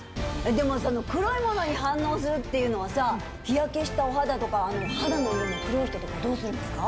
でもその黒いモノに反応するっていうのは日焼けしたお肌とか肌の色の黒い人とかどうするんですか？